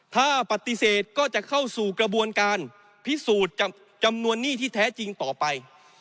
ถ้าปฏิเสธก็จะเข้าสู่กระบวนการพิสูจน์จำนวนหนี้ที่แท้จริงต่อไป